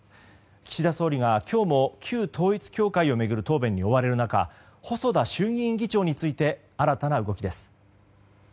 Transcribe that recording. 岸田総理が今日も旧統一教会を巡る答弁に追われる中細田衆議院議長について新たな動きです。